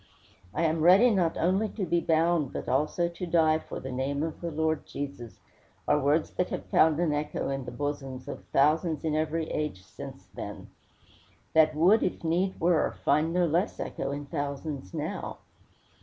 "I am ready not only to be bound, but also to die for the name of the Lord Jesus," are words that have found an echo in the bosoms of thousands in every age since then; that would, if need were, find no less echo in thousands now.